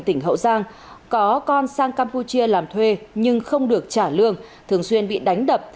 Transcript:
tỉnh hậu giang có con sang campuchia làm thuê nhưng không được trả lương thường xuyên bị đánh đập